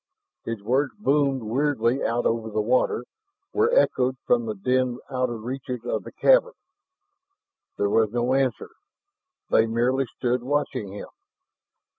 His words boomed weirdly out over the water, were echoed from the dim outer reaches of the cavern. There was no answer. They merely stood watching him.